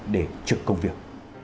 để trực công việc